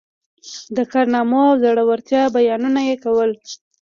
د کارنامو او زړه ورتیا بیانونه یې کول.